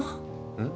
うん？